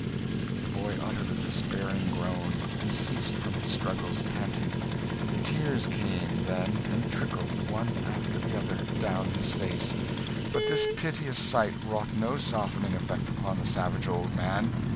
The boy uttered a despairing groan, and ceased from his struggles, panting. The tears came, then, and trickled, one after the other, down his face; but this piteous sight wrought no softening effect upon the savage old man.